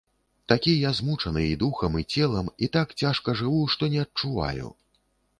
Такі я змучаны і духам і целам і так цяжка жыву, што не адчуваю.